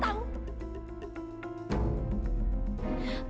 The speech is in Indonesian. saya bukan cipta